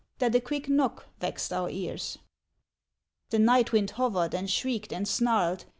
That a quick knock vexed our ears. The night wind hovered and shrieked and snarled.